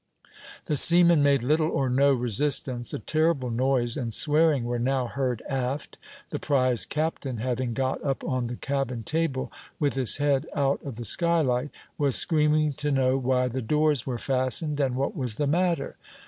The seamen made little or no resistance. A terrible noise and swearing were now heard aft; the prize captain, having got up on the cabin table, with his head out of the skylight, was screaming to know why the doors were fastened, and what was the matter.